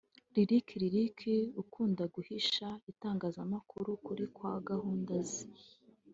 Lick Lick ukunda guhisha itangazamakuru ukuri kwa gahunda ze